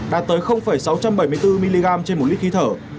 đạt tới sáu trăm bảy mươi bốn mg trên một lít khí thở